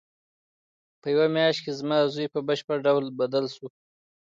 په یوه میاشت کې زما زوی په بشپړ ډول بدل شو